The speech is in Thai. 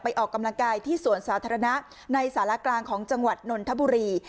ออกกำลังกายที่สวนสาธารณะในสารกลางของจังหวัดนนทบุรี